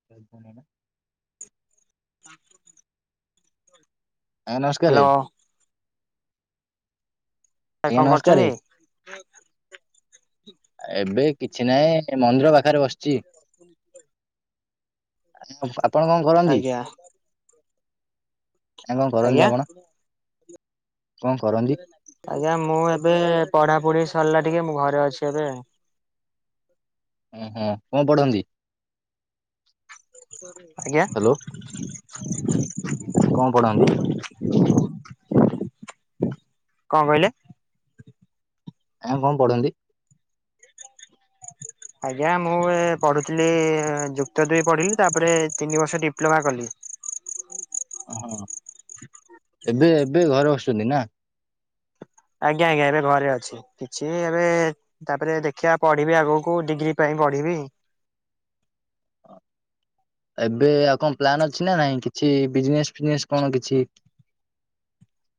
[unintelligible] ହ ଆ ନମସ୍କାରେ। ଭାଇ ଆଜ୍ଞା କଣ କରୁଛନ୍ତି? ନମସ୍କାରେ। ଏବେ କିଛି ନାହିଁ ଏ ମନ୍ଦିର ପାଖରେ ବସିଚି। [unintelligible] ଆଜ୍ ଆପଣ କଣ କରନ୍ତି, ଆଜ୍ଞା ଆ କଣ କରନ୍ତି ଆଜ୍ଞା ଆପଣ? କଣ କରନ ଆଜ୍ଞା, ମୁଁ ଏବେ ପଢା ପଢି ସରିଲା ଟିକେ ମୁଁ ଘରେ ଅଛି ଏବେ। ଉଁହୁଁ, କଣ ପଢନ୍ତି? ଆଜ୍ଞା। ହ୍ୟାଲୋ କଣ ପଢାନ୍ତି? କଣ କହିଲେ? ଆ କଣ ପଢନ୍ତି? [unintelligible] ଆଜ୍ଞା ମୁଁ ଏ ପଢ଼ୁଥିଲି, ଯୁକ୍ତ ଦୁଇ ପଢ଼ିଲି ତାପରେ ତିନି ବର୍ଷ ଡିପ୍ଲୋମା କଲି। ଏବେ ଏବେ ଘରେ ବସୁଛନ୍ତି ନା? ଆଜ୍ଞା ଆଜ୍ଞା, ଏବେ ଘରେ ଅଛି, କିଛି ଏବେ ତାପରେ ଦେଖିବା ପଢିବି ଆଗକୁ, ଡିଗ୍ରୀ ପାଇଁ ପଢିବି। ଏବେ ଆଉ କଣ ପ୍ଲାନ୍ ଅଛି ନା ନାଇଁ କିଛି ବିଜନେସ୍ ଫିଜନେସ୍ କଣ କିଛି?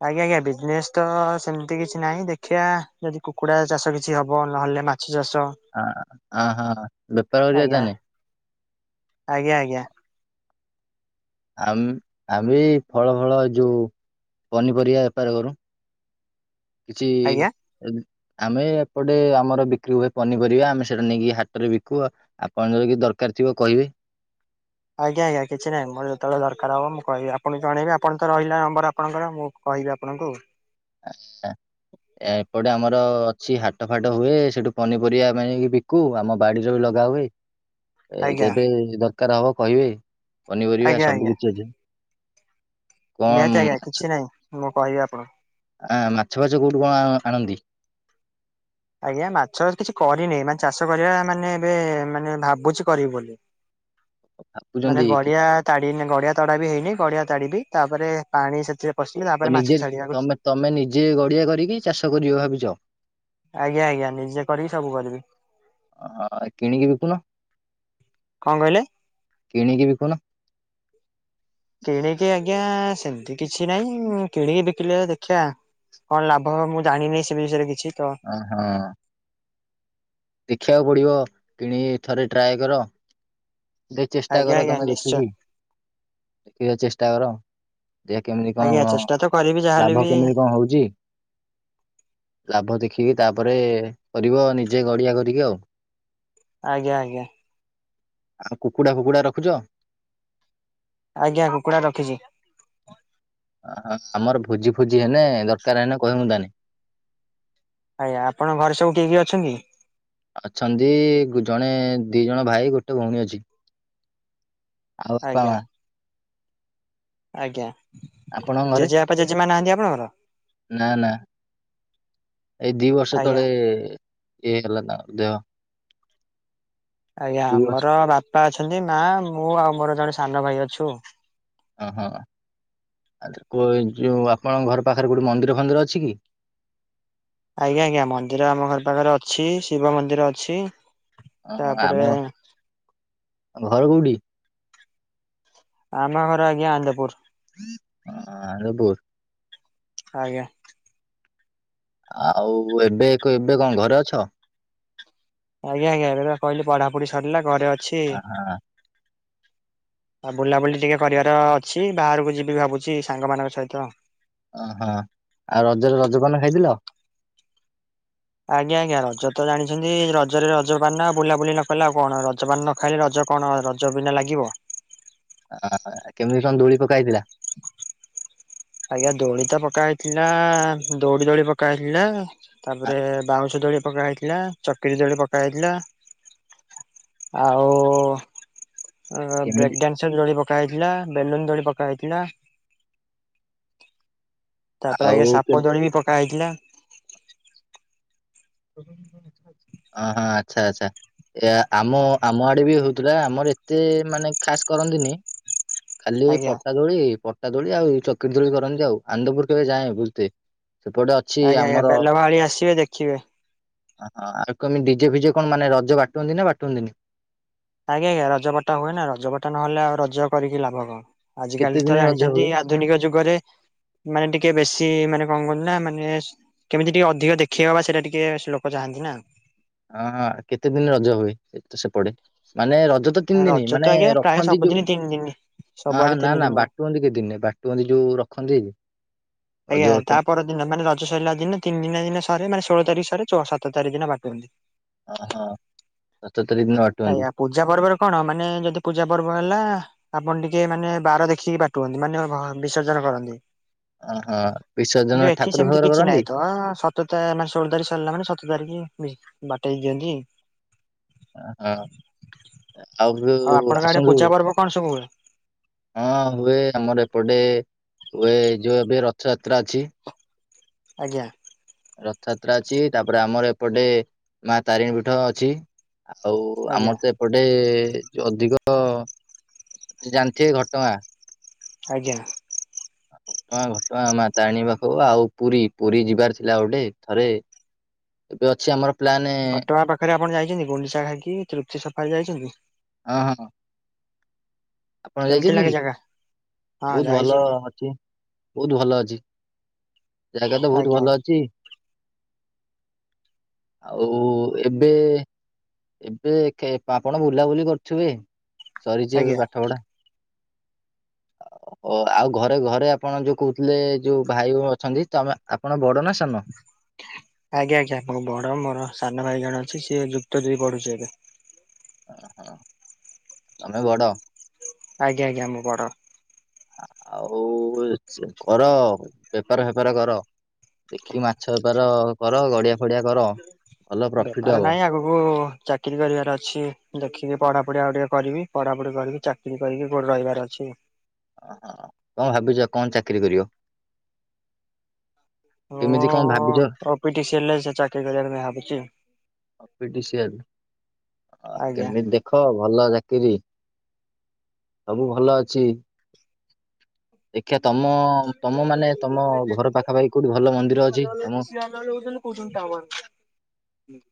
ଆଜ୍ଞା ଆଜ୍ଞା, ବିଜନେସ୍ ତ ସେମିତି କିଛି ନାହିଁ, ଦେଖିବା ଯଦି କୁକୁଡ଼ା ଚାଷ କିଛି ହବ, ନହେଲେ ମା ଛ ଚାଷ ହ, ହଁ ହଁ ହଁ, ବେପାର କରିବା ଆଜ୍ଞା ତାନେ? ଆଜ୍ଞା ଆଜ୍ଞା। ଆମ ଆମେ ଫଳ ଫଳ ଯୋଉ ପନିପରିବା ବେପାର କରୁ। ଆଜ୍ଞା କିଛି ଆମେ ଏପଟେ ଆମର ବିକ୍ରି ହୁଏ ପନିପରିବା, ଆମେ ସେଟା ନେଇକି ହାଟରେ ବିକୁ ଆଉ ଆପଣ ଯଦି କିଛି ଦରକାର ଥିବ କହିବେ। ଆଜ୍ଞା ଆଜ୍ଞା କିଛି ନାହିଁ ମୋର ଯେତେବେଳେ ଦରକାର ହବ ମୁଁ କହିବି ଆପଣଙ୍କୁ ଜଣେଇବି ଆପଣ ତ ରହିଲା ନମ୍ବର ଆପଣଙ୍କର ମୁଁ କହିବି ଆପଣଙ୍କୁ ଆଉ ଏପଟେ ଆମର ଅଛି ହାଟ ଫାଟ ହୁଏ ସେଠୁ ପନିପରିବା ଆଣିକି ବିକ କୁ। ଆମ ବାଡିରେ ବି ଲଗା ହୁଏ। ଏ ଆଜ୍ଞା ଯେବେ ଦରକାର ହବ କହିବେ ପନିପରିବା ଆଜ୍ଞା ସବୁ ଆଜ୍ଞା କିଛି ଅଛି। କଣ ନିହାତି ଆଜ୍ଞା କିଛି ନାହିଁ, ମୁଁ କହିବି ଆପଣଙ୍କୁ। ଆ ମାଛ ଫାଛ କୋଉଠି କଣ ଆଣନ୍ତି? ଆଜ୍ଞା ମାଛ କିଛି କରିନି ମାନେ ଚାଷ କରିବା ମାନେ ଏବେ ମାନେ ଭାବୁଛି କରିବି ବୋଲି। [inaudible] ମାନେ ଭାବୁଛନ୍ତି କି? ଗଡିଆ ତାଡିନି ଗଡିଆ ତଡା ବି ହେଇନି ଗଡିଆ ତାଡିବି, ତାପରେ ପାଣି ସେଥିରେ ପଶିଲେ ତାପରେ ମାଛ ନିଜେ ଛାଡିବାକୁ ତମେ ତମେ ନିଜେ ଗଡିଆ କରିକି ଚାଷ କରିବ ଭାବିଛ। ଆଜ୍ଞା ଆଜ୍ଞା ନିଜେ କରିକି ସବୁ କରିବି। ଆ କିଣିକି ବିକୁନ। କଣ କହିଲେ? କିଣିକି ବିକୁନ? କିଣିକି ଆଜ୍ଞା, ସେମିତି କିଛି ନାହିଁ। କିଣିକି ବିକିଲେ ଦେଖିବା। କଣ ଲାଭ ହବ। ମୁଁ ଜାଣିନି ସେ ବିଷୟରେ କିଛି ତ ଓହୋ ଦେଖିବାକୁ ପଡିବ, କିଣିିକି ଥରେ ଟ୍ରାଏ କର। ଦେ ଚେଷ୍ଟା ଆଜ୍ଞା କର ଆଜ୍ଞା ତମେ ନିଶ୍ଚୟ ଦେଖିକି, ଦେଖିବା ଚେଷ୍ଟା କର। ଦେ କେମିତି ଆଜ୍ଞା କଣ ଚେଷ୍ଟା ତ କରିବି ଯାହାହେଲେ ବି ଲାଭ କେମିତି କଣ ହଉଛି। ଲାଭ ଦେଖିକି ତାପରେ, କରିବ ନିଜେ ଗଡିଆ କରିକି ଆଉ। ଆଜ୍ଞା ଆଜ୍ଞା। ଆଉ କୁକୁଡା ଫୁକୁଡା ରଖୁଛ। ଆଜ୍ଞା, କୁକୁଡ଼ା ରଖିଛି। ଆଁ ଆମର ଭୋଜି ଫୋଜି ହେନେ, ଦରକାର ହେନେ କହିବୁ ତାହାନେ। ଆଜ୍ଞା, ଆପଣ ଘରେ ସବୁ କିଏ କିଏ ଅଛନ୍ତି? ଅଛନ୍ତି ଜଣେ ଦି ଜଣ ଭାଇ ଗୋଟେ ଭଉଣୀ ଅଛି। ଆଉ ବାପା ଆଜ୍ଞା ମା। ଆଜ୍ଞା, ଆପଣଙ୍କ ଘରେ ଜେଜେବାପା ଜେଜେମା ନାହାନ୍ତି ଆପଣଙ୍କର? ନା ନା ଏଇ ଦି ବର୍ଷ ଆଜ୍ଞା ତଳେ ଇଏ ହେଲା ତାଙ୍କର ଦେହ। ଆଜ୍ଞା ଦି ବର୍ଷ ଆମର ବାପା ଅଛନ୍ତି, ମା, ମୁଁ ଆଉ ମୋର ଜଣେ ସାନ ଭାଇ ଅଛୁ। ହଁ ହଁ ଆ ଯେଉ ଆପଣଙ୍କ ଘର ପାଖରେ କୋଉଠି ମନ୍ଦିର ଫନ୍ଦିର ଅଛି କି? ଆଜ୍ଞା ଆଜ୍ଞା ମନ୍ଦିର ଆମ ଘର ପାଖରେ ଅଛି। ଶିବ ମନ୍ଦିର ଅଛି। ହଁ ତାପରେ ଆମ, ଘର କୋଉଠି? ଆମ ଘର ଆଜ୍ଞା ଆନ୍ଦପୁର। ହଁ, ଆନ୍ଦପୂର୍। ଆଜ୍ଞା। ଆଉ ଏବେ ଏବେ କଣ ଘରେ ଅଛ? ଆଜ୍ଞା ଆଜ୍ଞା ଏବେ ପା କହିଲି ପଢାପଢି ସରିଲା ଘରେ ଅଛି। ଆହା ଆଉ ବୁଲାବୁଲି ଟିକେ କରିବାର ଅଛି। ବାହାରକୁ ଯିବି ଭାବୁଛି ସାଙ୍ଗମାନଙ୍କ ସହିତ। ଓହୋ, ଆଉ ରଜରେ ରଜ ପାନ ଖାଇଥିଲ? ଆଜ୍ଞା ଆଜ୍ଞା ରଜ ତ ଜାଣିଛନ୍ତି ରଜରେ ରଜ ପାନ ବୁଲାବୁଲି ନ କଲେ ଆଉ କଣ। ରଜ ପାନ ଖାଲି ରଜ କଣ ରଜ ବିନା ଲାଗିବ। ଆ କେମିତି କଣ ଦୋଳି ପକାହେଇଥିଲା? ଆଜ୍ଞା ଦୋଳି ତ ପକା ହେଇଥିଲା ଦଉଡି ଦୌଡି ପକା ହେଇଥିଲା। ଆ, ତାପରେ ବାଉଁଶ ଦୋଳି ପକା ହେଇଥିଲା। ଚକିରି ଦୋଳି ପକା ହେଇଥିଲା। ଆଉ ଅ କେମିତି ବ୍ରେକ୍ ଡ୍ୟାନ୍ସର ଦୋଳି ପକା ହେଇଥିଲା। ବେଲୁନ ଦୋଳି ପକା ହେଇଥିଲା। ତାପରେ ଆଉ ଆଜ୍ଞା ଓହୋ ସାପ ଦୋଳି ବି ପକା ହେଇଥିଲା। ଅ ହଁ ଆଛା ଆଛା ଏ ଆମ ଆମ ଆଡେ ବି ହୋ ଆମର ଏତେ ମାନେ ଖାସ୍ କରନ୍ତିନି। ଖାଲି ଆଜ୍ଞା ପଟା ଦୋଳି ପ ପଟା ଦୋଳି ଆଉ ଚକିରି ଦୋଳି କରନ୍ତି ଆଉ। ଆନନ୍ଦପୁର କେବେ ଯାଏ ବୁଲିଥେ। ସେପଟେ ଅଛି ଆଜ୍ଞା ଆଜ୍ଞା ଆମର ବେଲ ମାଳି ଆସିବେ ଦେଖିବେ। ଆଉ କେମି ଡିଜେ ଫିଜେ କଣ ମାନେ ରଜ ବାଟନ୍ତି ନା ବାଟନ୍ତିନି? ଆଜ୍ଞା ଆଜ୍ଞା ରଜ ବଟା ହୁଏ ନା। ରଜବଟା ନହେଲେ ଆଉ ରଜ କରିକି ଲାଭ କଣ। କେତେ ଆଜିିକାଲି ଦିନ ତ ରଜ ହୁଏ? ଜାଣିଛନ୍ତି ଆଧୁନିକ ଯୁଗରେ ମାନେ ଟିକେ ବେଶୀ ମାନେ କଣ କଅନ୍ତି ନା ମାନେ କେମିତି ଟିକେ ଅଧିକ ଦେଖେଇ ହବା ସେଇଟା ଟିକେ ଲୋକ ଚାହାନ୍ତିନାଁ। ହଁ ହଁ କେତେ ଦିନ ରଜ ହୁଏ ତ ସେପଟେ? ମାନେ ରଜ ତ ତିନି ଦିନ ରଜ ତ ମାନେ ଆଜ୍ଞା ପ୍ରାୟ ରଖନ୍ତି ଯୋଉ ସବୁଦିନ ତିନି ଦିନ। ଅ ସବୁଆଡେ ହ ନା ତିନି ନା ଦିନ ହୁଏ। ବା [unintelligible] ବାଟୁନ୍ତି ଯୋଉ ରଖନ୍ତି। ରଜ ଆଜ୍ଞା ବାଟୁଅ ତାପର ଦିନ ମାନେ ରଜ ସଇଲା ଦିନ ତିନି ଦିନା ଦିନ ସରେ ମାନେ ଷୋଳ ତାରିଖ ସରେ ସତର ତାରିଖ ଦିନ ବାଟନ୍ତି। ଓ ହଁ ସତର ତରିଖ ଦିନ ବାଟନ୍ତି। ଆଜ୍ଞା ପୂଜା ପର୍ବରେ କଣ ମାନେ ଯଦି ପୂଜା ପର୍ବ ହେଲା ଆପଣ ଟିକେ ମାନେ ବାର ଦେଖିକି ବାଟୁଅନ୍ତି ମାନେ ହ ବିସର୍ଜନ କରନ୍ତି। ଓହୋ ବିସର୍ଜନ କିନ୍ତୁ ଏଠି ଠାକୁର ସେମତି ଫାକୁର କିଛି କରନ୍ତି? ନାହିଁ ତ ସ ସତ ମାନେ ଷୋଳ ତାରିଖ ସାରିଲା ମାନେ ସତର ତାରିଖ ବି ବାଟେଇ ଦିଅନ୍ତି। ଓ ହଁ ଆଉ ଆପଣଙ୍କ ଆଡେ ଆସନ୍ତୁ। ପୂଜା ପର୍ବ କଣ ସବୁ ହୁଏ ହଁ ହୁଏ ଆମର ଏପଟେ ହୁଏ। ଯୋଉ ଏବେ ରଥଯାତ୍ରା ଅଛି। ଆଜ୍ଞା। ରଥଯାତ୍ରା ଅଛି, ତାପରେ ଆମର ଏପଟେ ମା ତାରିଣୀ ପୀଠ ଅଛି। ଆଉ ଆଜ୍ଞା ଆମର ତ ଏପଟେ ଯୋଉ ଅଧିକ ଜାଣିଥିବେ ଘଟଗାଁ। ଆଜ୍ଞା। ହଁ ଘଟଗାଁ ମା ତାରିଣୀ ପାଖୁକୁ ଆଉ ପୁରୀ ପୁରୀ ଯିବାର ଥିଲା ଗୋଟେ ଥରେ। ଏବେ ଅଛି ଆମର ପ୍ଲାନେ ଘଟଗାଁ ପାଖରେ ଆପଣ ଯାଇଛନ୍ତି ଗୁଣ୍ଡିଚା ଘାକି, ତୃପ୍ତି ସଫାରି ଯାଇଛନ୍ତି? ହଁ ହଁ। ଆପଣ କେମିତି ଯାଇଛନ୍ତି ଲାଗେ କି? ଜାଗା? ହଁ ବହୁତ ଯାଇଛି ଭଲ ମୁଁ ଅଛି, ବହୁତ ଭଲ ଅଛି। ଜାଗା ତ ବହୁତ ଆଜ୍ଞା ଭଲ ଅଛି। ଆଉ ଏବେ ଏବେ ଖେ ଆପଣ ବୁଲାବୁଲି କରୁଥିବେ? ସରିଛି ଆଜ୍ଞା ଆଜ୍ଞା ଏବେ ପାଠ ପଢା। ଆଉ ଓ ଆଉ ଘରେ ଘରେ ଆପଣ ଯୋଉ କହୁଥିଲେ ଯୋଉ ଭାଇ ଓ ଅଛନ୍ତି। ତମେ ଆପଣ ବଡ ନା ସାନ? ଆଜ୍ଞା ଆଜ୍ଞା ଆପଣ ବଡ ମୋର ସାନ ଭାଇ ଜଣେ ଅଛି ସିଏ ଯୁକ୍ତ ଦୁଇ ପଢୁଛି ଏବେ ହ ହଁ ତମେ ବଡ ଆଜ୍ଞା ଆଜ୍ଞା ମୁ୰ ବଡ ଆଉ କର ବେପାର ଫେପାର କର ଦେଖିକି ମାଛ ବେପାର କର ଗଡିଆ ଫଡିଆ କର ଭଲ ପ୍ରଫିଟ ବେପାର ହବ। ନାଇଁ ଆଗକୁ ଚାକିରୀ କରିବାର ଅଛି ଦେଖିକି ପଢାପଢି ଆଉ ଟିକେ କରିବି ପଢ଼ାପଢି କରିକି ଚାକିରି କରିକି କୋଉଠି ରହିବାର ଅଛି। ଓହୋ କଣ ଭାବିଛ କଣ ଚାକିରି କରିବ କେମିତି କଣ ଭାବିଛ ଓପିଟିସିଏଲ୍ ରେ ଚାକିରୀ କରିବା ପାଇଁ ଭାବିଛି ଓପିଟିସିଏଲ୍ ଆଜ୍ଞା। କେମିତି ଦେଖ ଦେଖ ଭଲ ଚାକିରି ସବୁ ଭଲ ଅଛି [inaudible] ଦେଖିବା ତମ ତମ ମାନେ ତମ ଘର ପାଖା ପାଖି କୋଉଠି ଭଲ ମନ୍ଦିର ଅଛି ତମ ଆଜ୍ଞା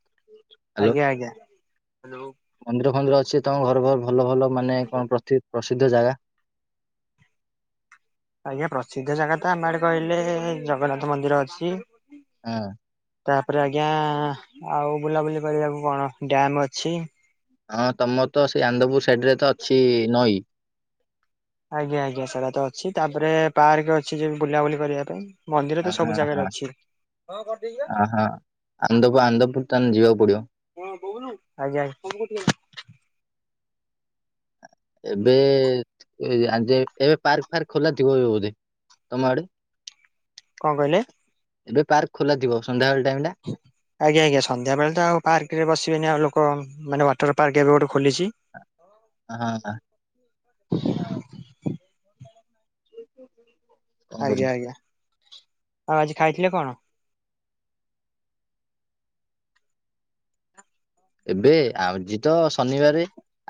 ହ୍ୟାଲୋ ଆଞା ମନ୍ଦିର ଫନ୍ଦିର ଅଛି ତମ ଘର ଘର ଭଲ ଭଲ ମାନେ କଣ ପ୍ରସିଦ୍ଧ ଜାଗା ଆଜ୍ଞା ପ୍ରସିଦ୍ଧ ଜାଗା ତ ଆମ ଆଡେ କହିଲେ ଜଗନ୍ନାଥ ମନ୍ଦିର ଅଛି ହଁ ତାପରେ ଆଜ୍ଞା ଆଉ ବୁଲାବୁଲି କରିବାକୁ କଣ ଡ୍ୟାମ୍ ଅଛି। ହଁ ତମର ତ ସେଇ ଆନ୍ଦପୁର ସାଇଡ୍ ରେ ତ ଅଛି ନଈ ଆଜ୍ଞା ଆଜ୍ଞା ସେଟା ତ ଅଛି ତାପରେ ପାର୍କ ଅଛି ଯେ ବୁଲାବୁଲି କରିବା ପାଇଁ ମନ୍ଦିର ହଁ ତ ସବୁ ଜାଗାରେ ଅଛି ହ ହଁ ଆନ୍ଦପୁ ଆନ୍ଦପୁର ତାହେଲେ ଯିବାକୁ ପଡିବ ଆଜ୍ଞା ଏବେ ଏବେ ପାର୍କ ଫାର୍କ ଖୋଲା ଥିବ ବୋଧେ ତମ ଆଡେ କଣ କହିଲେ? ଏବେ ପାର୍କ ଖୋଲା ଥିବ ସନ୍ଧ୍ୟାବେଳ ଟାଇମ୍ ଟା ଆଜ୍ଞା ଆଜ୍ଞା ସନ୍ଧ୍ୟା ବେଳେ ତ ଆଉ ପାର୍କ ରେ ବସିବେନି ଆଉ ଲୋକ ମାନେ ୱାଟର୍ ପାର୍କ ଏବେ ଗୋଟେ ଖୋଲିଛି ହଁ ହ [inaudible] କଣ କରିବି ଆଜ୍ଞା ଆଜ୍ଞା ଆଉ ଆଜି ଖାଇଥିଲେ କଣ? ଏବେ ଆଜି ତ ଶନିବାର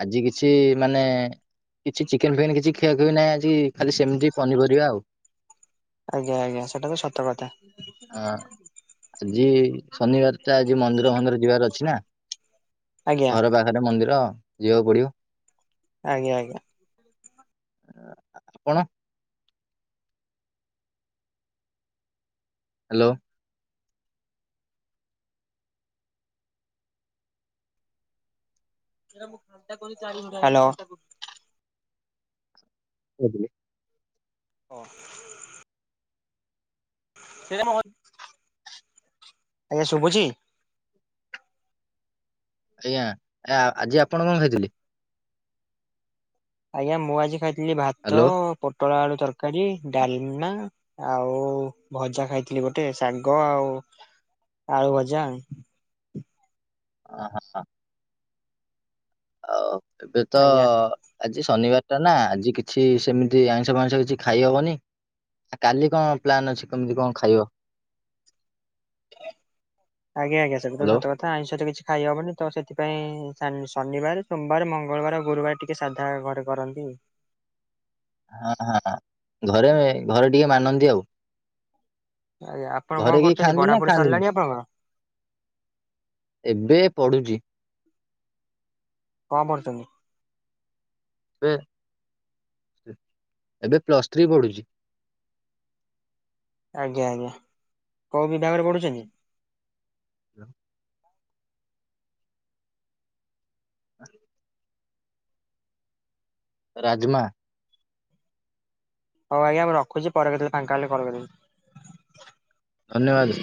ଆଜି କିଛି ମାନେ କିଛି ଚିକେନ୍ ଫିକେନ୍ କିଛି ଖିଆଖୁଇ ନାହିଁ ଆଜି ଖାଲି ସେମ୍ ତି ପନିପରିବା ଆଉ। ଆଜ୍ଞା ଆଜ୍ଞା ସେଟା ତ ସତ କଥା ହଁ ଆଜି ଶନିବାର ଟା ଆଜି ମନ୍ଦିର ଫନ୍ଦିର ଯିବାର ଅଛି ନା ଆଜ୍ଞା ଘର ବାହାରେ ମନ୍ଦିର ଯିବାକୁ ପଡିବ। ଆଜ୍ଞା ଆଜ୍ଞା କଣ ହେଲୋ ହାଲୋ [inaudible] ହଁ [inaudible] ଆଜ୍ଞା ଶୁଭୁଛି ଆଜ୍ଞା ଆ ଆଜି ଆପଣ କଣ ଖାଇଥିଲେ? ଆଜ୍ଞା ମୁଁ ଆଜି ଖାଇଥିଲି ଭାତ ହ୍ୟାଲୋ ପୋଟଳ ଆଳୁ ତରକାରୀ ଡାଲମା ଆଉ ଭଜା ଖାଇଥିଲି ଗୋଟେ ଶାଗ ଆଉ ଆଳୁ ଭଜା ଓ ହ ହ ଆଉ ଏବେ ତ ଆଜ୍ଞା। ଆଜି ଶନିବାରଟା ନା ଆଜି କିଛି ସେମିତି ଆଇଁଷ ଫାଇଁଷ କିଛି ଖାଇହବନି କାଲି କଣ ପ୍ଲାନ୍ ଅଛି କେମିତି କଣ ଖାଇବ? ଆଜ୍ଞା ଆଜ୍ଞା ସେଟା ତ ହ୍ୟାଲୋ? ସତ କଥା ତ ଆଇଁଷ ତ କିଛି ଖାଇହବନି ତ ସେଥିପାଇଁ ଶନିବାର ସୋମବାର ମଙ୍ଗଳବାର ଗୁରୁବାର ଟିକେ ସାଧା ଘରେ କରନ୍ତି। ଘରେ ଘରେ ଟିକେ ମାନନ୍ତି ଆଉ ଆଜ୍ଞା ଆପଣ ଘରେ କଣ କେହି କରୁଛନ୍ତି ଖାଆନ୍ତି ନା ପଢା ପଢି ଖାଆନ୍ତିନି? ସରିଲାଣି ଆପଣଙ୍କର? ଏବେ ପଢୁଛି କଣ ପଢ଼ୁଛନ୍ତି? ଏବେ ଏବେ ପ୍ଲସ୍ ଥ୍ରୀ ପଢୁଛି। ଆଜ୍ଞା ଆଜ୍ଞା କୋଉ ବିଭାଗରେ ପଢୁଛନ୍ତି? ହ ହ ରାଜମା ହଉ ଆଜ୍ଞା ଏବେ ରଖୁଛିି ପରେ କେତେବେଳେ ଫାଙ୍କା ହେଲେ କଲ କରିବି। ଧନ୍ୟବାଦ।